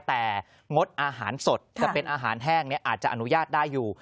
แต่งดอาหารสดจะเป็นอาหารแห้งอาจจะอนุญาตได้อยู่